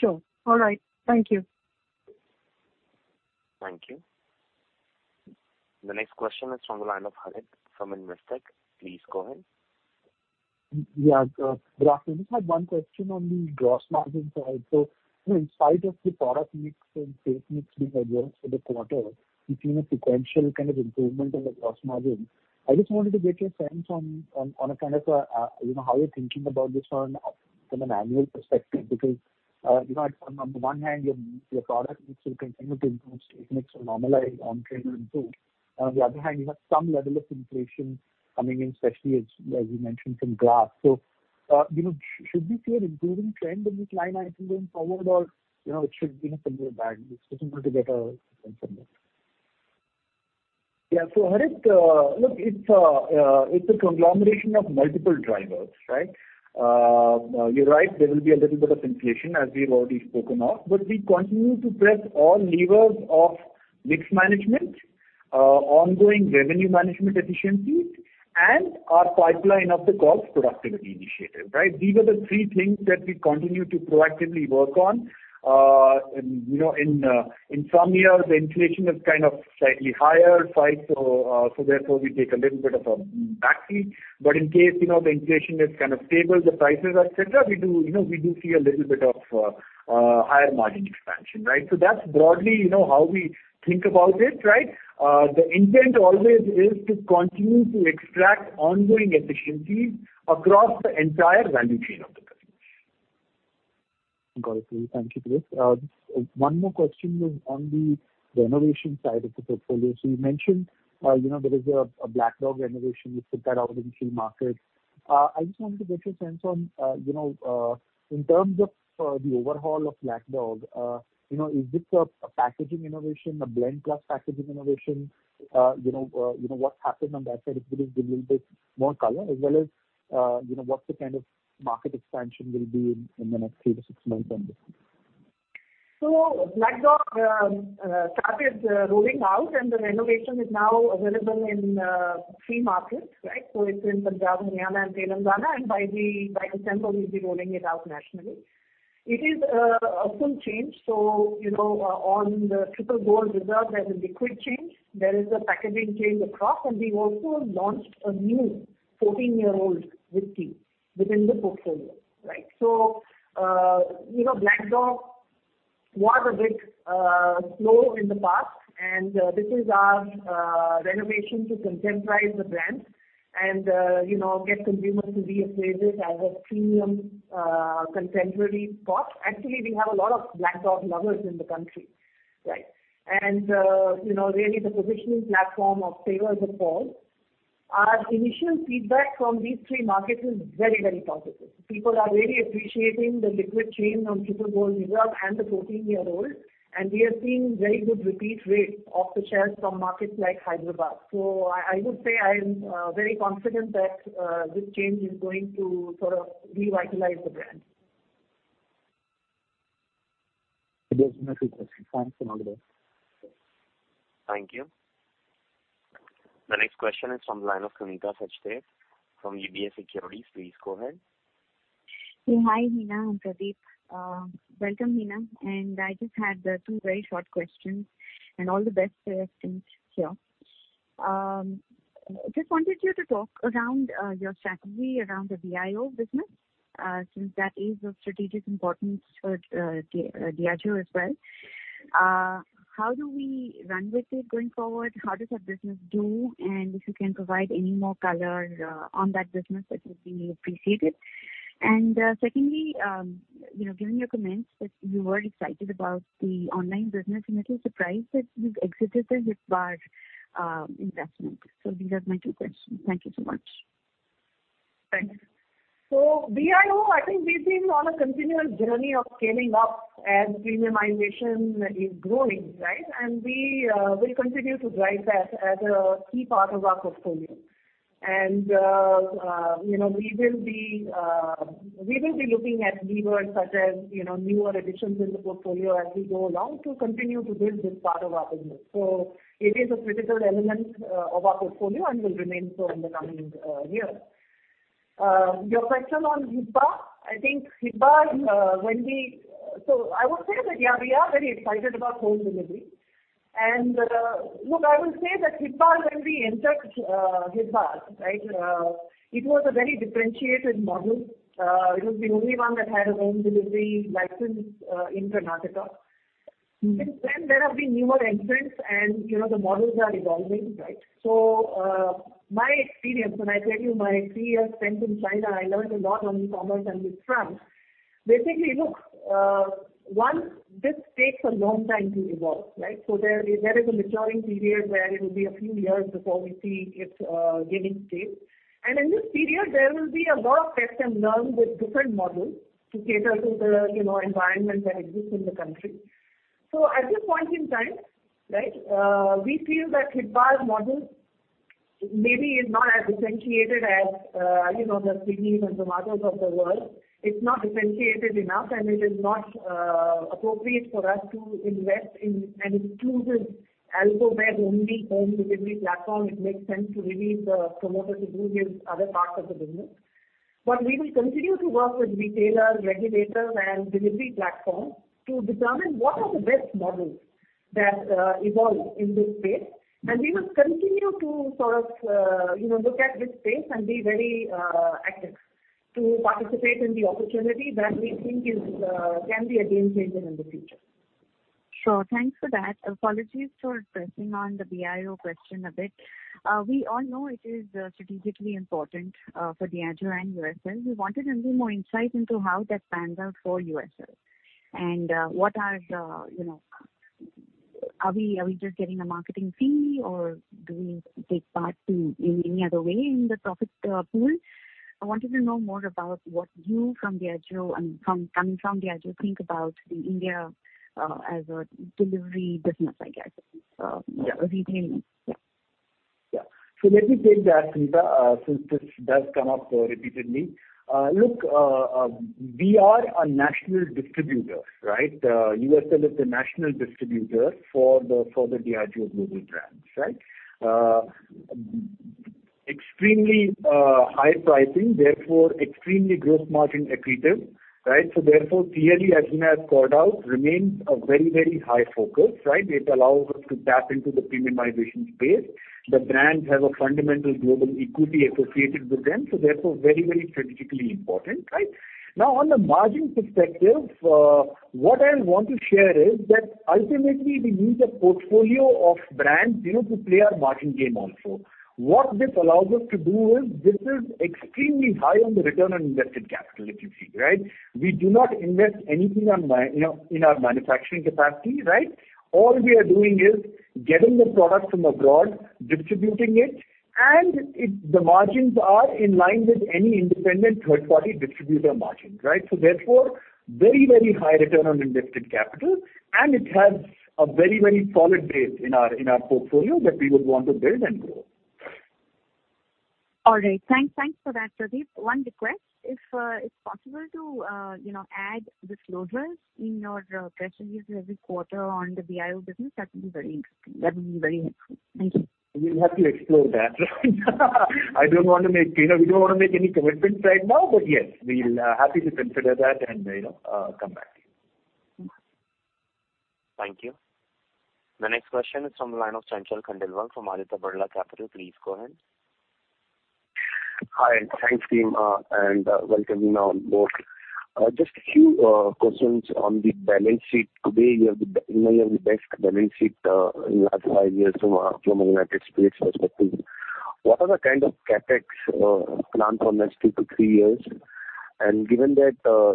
Sure. All right. Thank you.
Thank you. The next question is from the line of Harit from Investec. Please go ahead.
Pradeep, just had one question on the gross margin side. In spite of the product mix and sales mix being adverse for the quarter, we've seen a sequential kind of improvement in the gross margin. I just wanted to get your sense on how you're thinking about this from an annual perspective. On the one hand, your product mix will continue to improve, sales mix will normalize, on-trade improve. On the other hand, you have some level of inflation coming in, especially as you mentioned, from glass. Should we see an improving trend in this line item going forward? Or should it be somewhere back? Just wanted to get a sense on that.
Yeah. Harit, look, it's a conglomeration of multiple drivers, right? You're right, there will be a little bit of inflation, as we've already spoken of, but we continue to press all levers of mix management, ongoing revenue management efficiencies, and our pipeline of the cost productivity initiative, right? These are the three things that we continue to proactively work on. In some years, inflation is kind of slightly higher, so therefore, we take a little bit of a backseat. In case the inflation is kind of stable, the prices, et cetera, we do see a little bit of higher margin expansion, right? That's broadly how we think about this, right? The intent always is to continue to extract ongoing efficiencies across the entire value chain of the business.
Got it. Thank you, Pradeep. One more question is on the renovation side of the portfolio. You mentioned there is a Black Dog renovation. You took that out in three markets. I just wanted to get your sense on, in terms of the overhaul of Black Dog, is this a packaging innovation, a blend plus packaging innovation? What happened on that side? If you could give a little bit more color, as well as what the kind of market expansion will be in the next three to six months on this?
Black Dog started rolling out, and the renovation is now available in three markets, right? It's in Punjab, Haryana, and Telangana, and by December, we'll be rolling it out nationally. It is a full change. On the Triple Gold Reserve, there's a liquid change, there is a packaging change across, and we also launched a new 14-year-old whiskey within the portfolio, right? Black Dog was a bit slow in the past, and this is our renovation to contemporize the brand and get consumers to reassess it as a premium contemporary scotch. Actually, we have a lot of Black Dog lovers in the country, right? Really the positioning platform of Savour the Bold. Our initial feedback from these three markets is very positive. People are really appreciating the liquid change on Triple Gold Reserve and the 14-year-old, and we are seeing very good repeat rates off the shelves from markets like Hyderabad. I would say I am very confident that this change is going to sort of revitalize the brand.
That was my few questions. Thanks a lot, guys.
Thank you. The next question is from the line of Sunita Sachdev from UBS Securities. Please go ahead.
Hi, Hina and Pradeep. Welcome, Hina, I just had two very short questions. All the best for your stint here. Just wanted you to talk around your strategy around the BIO business, since that is of strategic importance for Diageo as well. How do we run with it going forward? How does that business do? If you can provide any more color on that business, that would be appreciated. Secondly, given your comments that you were excited about the online business, I'm a little surprised that you've exited the HipBar investment. These are my two questions. Thank you so much.
Thanks. BIO, I think we've been on a continuous journey of scaling up as premiumization is growing. We will continue to drive that as a key part of our portfolio. We will be looking at levers such as newer additions in the portfolio as we go along to continue to build this part of our business. It is a critical element of our portfolio and will remain so in the coming year. Your question on HipBar. I would say that, yeah, we are very excited about home delivery. Look, I will say that HipBar, when we entered HipBar, it was a very differentiated model. It was the only one that had a home delivery license in Karnataka. Since then, there have been newer entrants and the models are evolving. My experience, when I tell you my three years spent in China, I learned a lot on e-commerce and with Trump. One, this takes a long time to evolve. There is a maturing period where it will be a few years before we see its giving stage. In this period, there will be a lot of test and learn with different models to cater to the environment that exists in the country. At this point in time, we feel that HipBar's model maybe is not as differentiated as the Swiggy and Zomato of the world. It's not differentiated enough, and it is not appropriate for us to invest in an exclusive alco-led only home delivery platform. It makes sense to release the promoter to do his other parts of the business. We will continue to work with retailers, regulators, and delivery platforms to determine what are the best models that evolve in this space. We will continue to look at this space and be very active to participate in the opportunity that we think can be a game changer in the future.
Sure. Thanks for that. Apologies for pressing on the BIO question a bit. We all know it is strategically important for Diageo and USL. We wanted a little more insight into how that pans out for USL. Are we just getting a marketing fee or do we take part in any other way in the profit pool? I wanted to know more about what you, coming from Diageo, think about India as a delivery business, I guess. A retailing mix.
Yeah. Let me take that, Sunita, since this does come up repeatedly. Look, we are a national distributor. USL is the national distributor for the Diageo global brands. Extremely high pricing, therefore extremely gross margin accretive. Therefore, clearly, as Sunita has pointed out, remains a very high focus. It allows us to tap into the premiumization space. The brands have a fundamental global equity associated with them, therefore very strategically important. On the margin perspective, what I want to share is that ultimately, we need a portfolio of brands to play our margin game also. What this allows us to do is, this is extremely high on the return on invested capital, if you see. We do not invest anything in our manufacturing capacity. All we are doing is getting the product from abroad, distributing it, and the margins are in line with any independent third-party distributor margins. Therefore, very high return on invested capital, and it has a very solid base in our portfolio that we would want to build and grow.
All right. Thanks for that, Pradeep. One request. If it's possible to add this load run in your presentations every quarter on the BIO business, that will be very interesting. That will be very helpful. Thank you.
We'll have to explore that. We don't want to make any commitments right now, but yes, we're happy to consider that and come back to you.
Thank you. The next question is from the line of Chanchal Khandelwal from Aditya Birla Capital. Please go ahead.
Hi, thanks team. Welcome, Suneet, on board. Just a few questions on the balance sheet. Today, you have the best balance sheet in the last five years from a United Spirits perspective. What are the kind of CapEx plans for next two to three years? Given that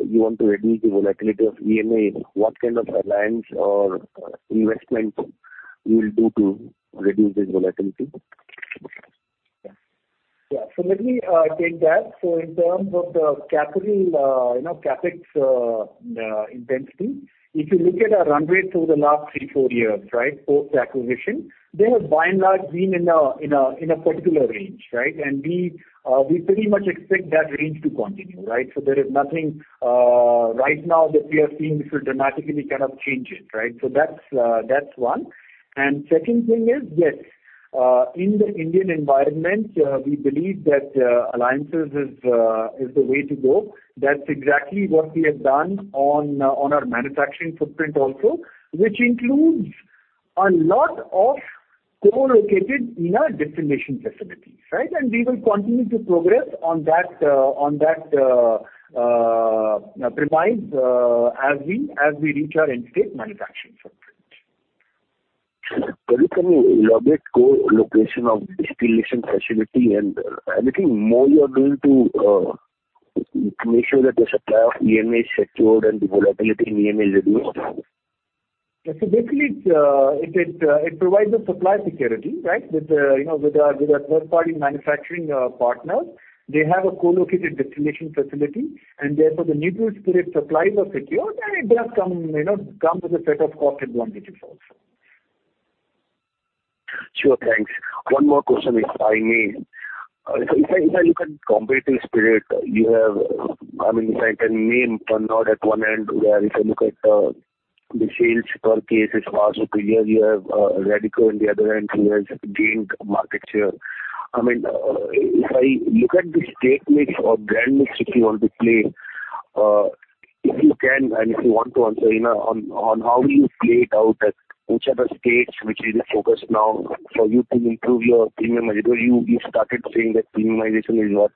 you want to reduce the volatility of ENA, what kind of alliance or investment you will do to reduce this volatility?
Let me take that. In terms of the capital CapEx intensity, if you look at our runway through the last three, four years, post-acquisition, they have by and large been in a particular range. We pretty much expect that range to continue. There is nothing right now that we are seeing which will dramatically kind of change it. That's one. Second thing is, yes, in the Indian environment, we believe that alliances is the way to go. That's exactly what we have done on our manufacturing footprint also, which includes a lot of co-located ENA distillation facilities. We will continue to progress on that premise as we reach our end state manufacturing.
You can locate co-location of distillation facility and anything more you are doing to make sure that the supply of ENA is secured and the volatility in ENA reduced?
Basically, it provides a supply security, right? With our third-party manufacturing partners, they have a co-located distillation facility, and therefore the neutral spirit supplies are secured, and it does come with a set of cost advantages also.
Sure. Thanks. One more question, if I may. If I look at competitive spirit, you have, if I can name Pernod at one end, where if you look at the sales per case, it's far superior. You have Radico on the other end who has gained market share. If I look at the state mix or brand mix, if you want to play, if you can, and if you want to answer, on how will you play it out and which are the states which is the focus now for you to improve your premiumization. You started saying that premiumization is what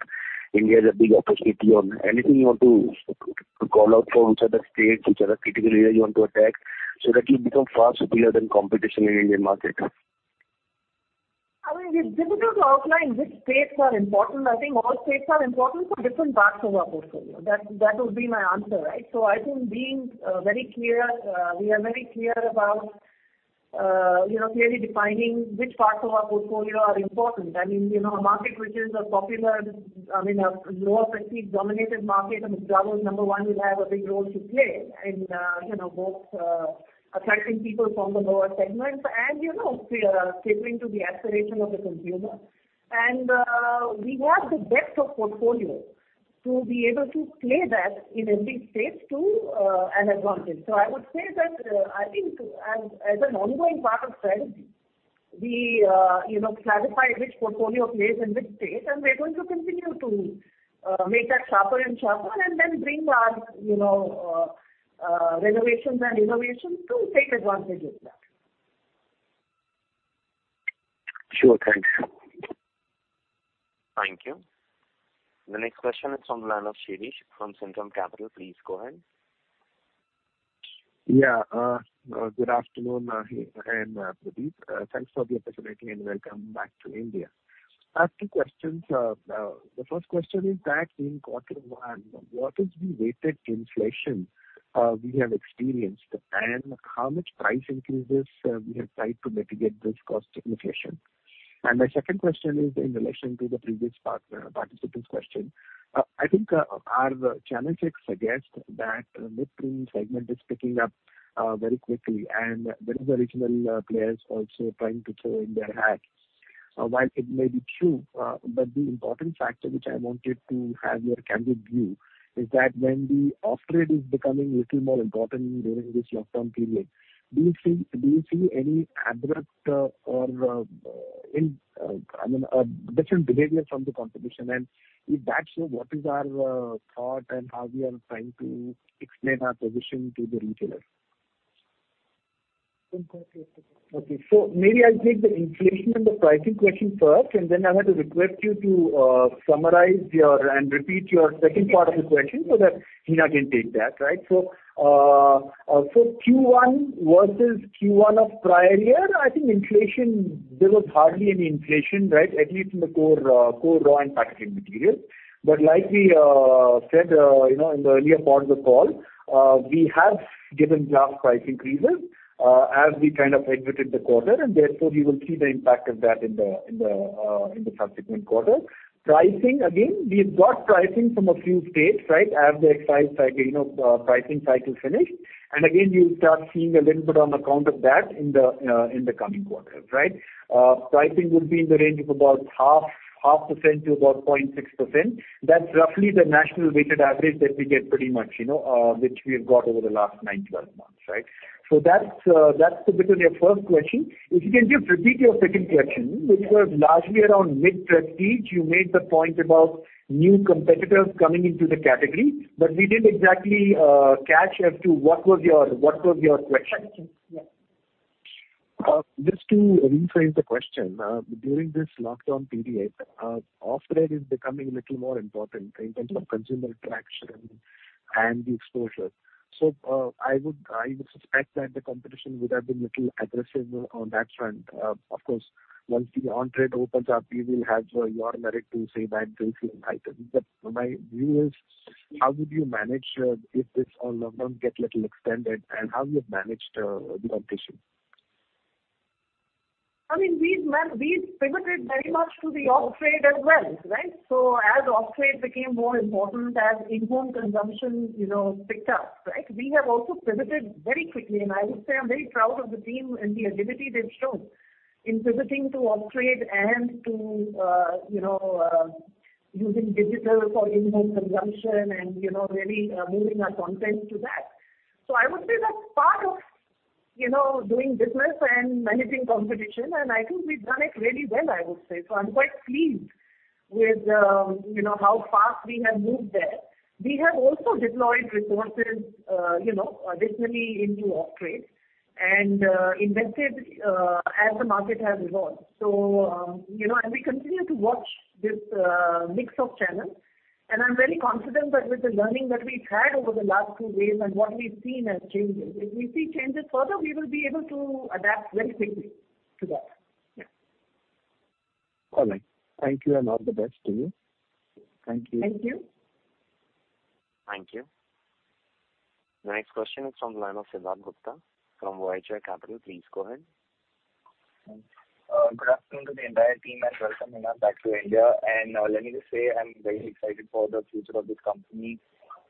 India has a big opportunity on. Anything you want to call out for which are the states, which are the critical areas you want to attack so that you become far superior than competition in Indian market?
It's difficult to outline which states are important. I think all states are important for different parts of our portfolio. That would be my answer, right? I think we are very clear about clearly defining which parts of our portfolio are important. A market which is a Popular, a lower Prestige dominated market, and McDowell's, No.1, will have a big role to play in both attracting people from the lower segments and catering to the aspiration of the consumer. We have the depth of portfolio to be able to play that in every state to an advantage. I would say that, I think as an ongoing part of strategy, we clarify which portfolio plays in which state, and we are going to continue to make that sharper and sharper and then bring our renovations and innovations to take advantage of that.
Sure. Thanks.
Thank you. The next question is from the line of Shirish from Centrum Capital. Please go ahead.
Good afternoon, Hina and Pradeep. Thanks for the opportunity, welcome back to India. I have two questions. The first question is that in quarter one, what is the weighted inflation we have experienced? How much price increases we have tried to mitigate this cost inflation? My second question is in relation to the previous participant's question. I think our channel checks suggest that mid-premium segment is picking up very quickly, there is original players also trying to throw in their hat. While it may be true, the important factor which I wanted to have your candid view is that when the off-trade is becoming little more important during this lockdown period, do you see any abrupt or different behavior from the competition? If that's so, what is our thought and how we are trying to explain our position to the retailer?
One question at a time.
Maybe I'll take the inflation and the pricing question first, and then I have to request you to summarize your, and repeat your second part of the question so that Hina can take that, right? Q1 versus Q1 of prior year, I think inflation, there was hardly any inflation, right? At least in the core raw and packaging material. Like we said in the earlier part of the call, we have given draft price increases, as we kind of exited the quarter, and therefore we will see the impact of that in the subsequent quarter. Pricing, again, we've got pricing from a few states, right, as the pricing cycle finished. Again, you'll start seeing a little bit on account of that in the coming quarters, right? Pricing will be in the range of 0.5%-0.6%. That's roughly the national weighted average that we get pretty much, which we have got over the last nine, 12 months, right? That's to bit of your first question. If you can just repeat your second question, which was largely around mid-Prestige. You made the point about new competitors coming into the category, we didn't exactly catch as to what was your question.
Question. Yeah.
Just to rephrase the question, during this lockdown period, off-trade is becoming a little more important in terms of consumer traction and the exposure. I would suspect that the competition would have been little aggressive on that front. Of course, once the on-trade opens up, we will have your merit to say that drink item. My view is how would you manage if this lockdown get little extended, and how have you managed the competition?
We've pivoted very much to the off-trade as well, right? As off-trade became more important, as in-home consumption picked up, right, we have also pivoted very quickly, and I would say I'm very proud of the team and the agility they've shown in pivoting to off-trade and to using digital for in-home consumption and really moving our content to that. I would say that's part of doing business and managing competition, and I think we've done it really well, I would say. I'm quite pleased with how fast we have moved there. We have also deployed resources additionally into off-trade and invested as the market has evolved. We continue to watch this mix of channels. I'm very confident that with the learning that we've had over the last two waves and what we've seen as changes, if we see changes further, we will be able to adapt very quickly to that. Yeah.
All right. Thank you, and all the best to you.
Thank you.
Thank you.
Thank you. The next question is from the line of Siddharth Gupta from YOY Capital. Please go ahead.
Good afternoon to the entire team. Welcome, Hina Nagarajan, back to India. Let me just say, I'm very excited for the future of this company,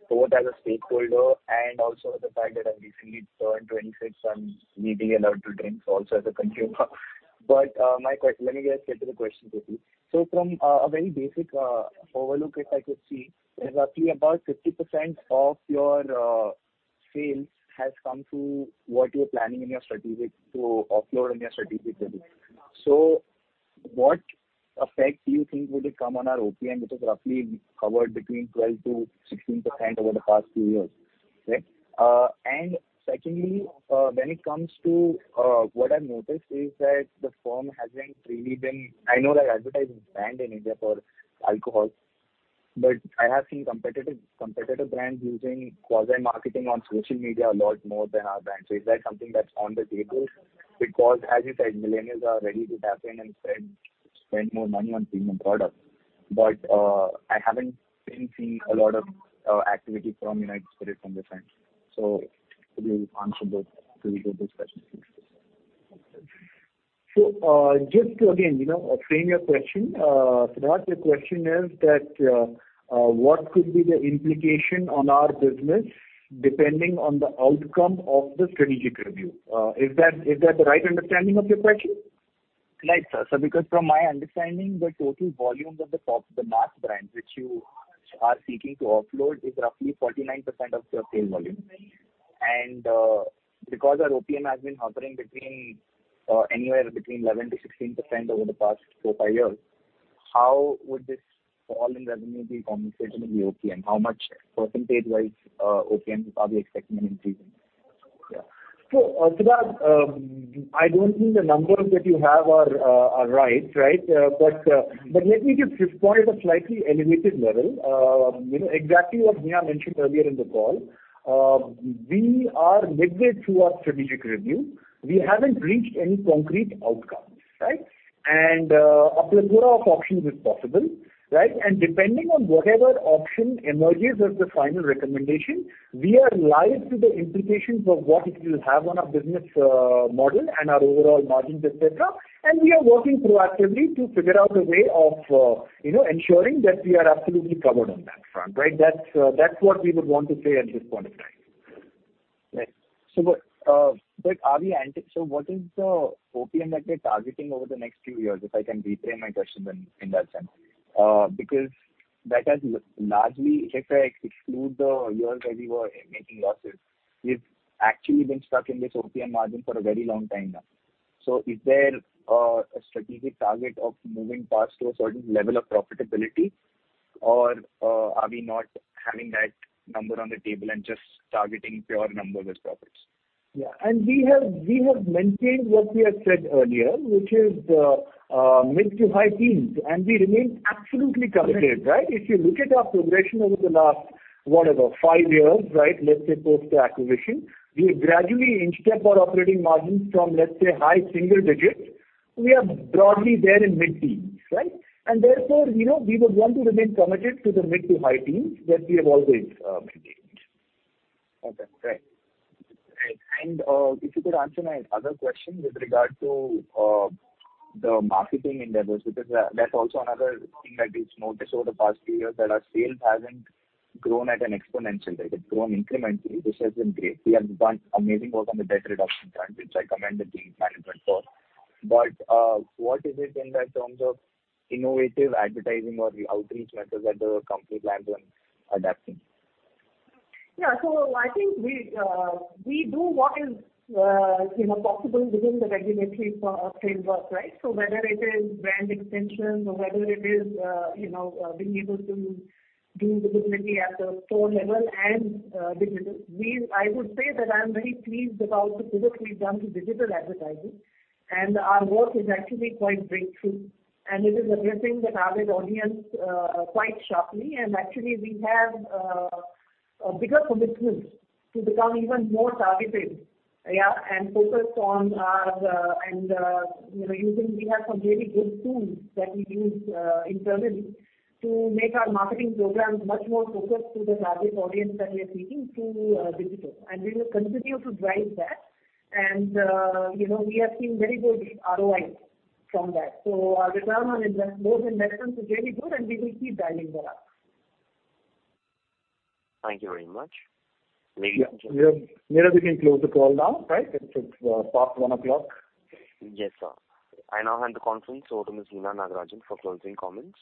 both as a stakeholder and also the fact that I've recently turned 26, so I'm legally allowed to drink, so also as a consumer. Let me just get to the question quickly. From a very basic overlook, if I could see, there's roughly about 50% of your sales has come through what you're planning in your strategic to offload in your strategic review. What effect do you think would it come on our OPM, which is roughly covered between 12%-16% over the past few years? Secondly, when it comes to what I've noticed is that the firm hasn't really been, I know that advertising is banned in India for alcohol, but I have seen competitive brands using quasi-marketing on social media a lot more than our brand. Is that something that's on the table? As you said, millennials are ready to tap in and spend more money on premium product. I haven't been seeing a lot of activity from United Spirits on this front. If you answer both those questions, please.
Just to, again, frame your question, Siddharth, your question is that, what could be the implication on our business depending on the outcome of the strategic review? Is that the right understanding of your question?
Right, sir. Sir, from my understanding, the total volumes of the mass brands which you are seeking to offload is roughly 49% of your sales volume. Our OPM has been hovering anywhere between 11%-16% over the past four, five years, how would this fall in revenue be compensated in the OPM? How much percentage-wise, OPM are we expecting an increase in?
Siddharth, I don't think the numbers that you have are right. Let me just respond at a slightly elevated level. Exactly what Hina mentioned earlier in the call. We are midway through our strategic review. We haven't reached any concrete outcomes. Right? A plethora of options is possible. Right? Depending on whatever option emerges as the final recommendation, we are live to the implications of what it will have on our business model and our overall margins, et cetera. We are working proactively to figure out a way of ensuring that we are absolutely covered on that front. Right? That's what we would want to say at this point in time.
Right. What is the OPM that we're targeting over the next few years, if I can reframe my question in that sense? Because that has largely, if I exclude the years where we were making losses, we've actually been stuck in this OPM margin for a very long time now. Is there a strategic target of moving fast to a certain level of profitability, or are we not having that number on the table and just targeting pure number as profits?
Yeah. We have maintained what we have said earlier, which is mid to high teens, and we remain absolutely committed. Right? If you look at our progression over the last, whatever, five years. Right? Let's say post the acquisition, we gradually in-stepped our operating margins from, let's say, high single digits. We are broadly there in mid-teens. Right? Therefore, we would want to remain committed to the mid to high teens that we have always maintained.
Okay. Right. If you could answer my other question with regard to the marketing endeavors, because that's also another thing that we've noticed over the past few years, that our sales haven't grown at an exponential rate. It's grown incrementally, which has been great. We have done amazing work on the debt reduction front, which I commend the team management for. What is it in terms of innovative advertising or outreach methods that the company plans on adapting?
Yeah. I think we do what is possible within the regulatory framework, right? Whether it is brand extensions or whether it is being able to do visibility at the store level and digital. I would say that I'm very pleased about the work we've done to digital advertising, and our work is actually quite breakthrough, and it is addressing the target audience quite sharply. Actually, we have a bigger commitment to become even more targeted. Yeah. Focused, and we have some really good tools that we use internally to make our marketing programs much more focused to the target audience that we are seeking through digital. We will continue to drive that. We have seen very good ROI from that. Our return on those investments is really good, and we will keep dialing that up.
Thank you very much.
Hina, we can close the call now, right? It's past 1 o'clock.
Yes, sir. I now hand the conference over to Ms. Hina Nagarajan for closing comments.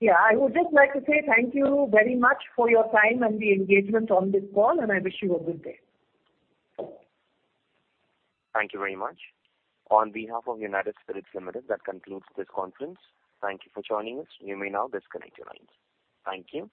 Yeah. I would just like to say thank you very much for your time and the engagement on this call. I wish you a good day.
Thank you very much. On behalf of United Spirits Limited, that concludes this conference. Thank you for joining us. You may now disconnect your lines. Thank you.